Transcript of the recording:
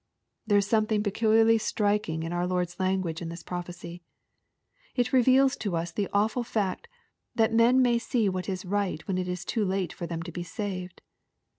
There is something peculiarly striking in our Lord's language in this prophecy. It reveals to us the awful fact, that men may see what is right when it is too late for them to be saved.